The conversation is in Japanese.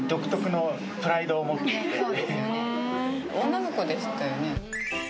女の子でしたよね？